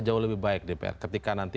jauh lebih baik dpr ketika nanti